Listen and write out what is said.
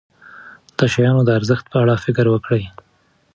د شیانو د ارزښت په اړه فکر وکړئ.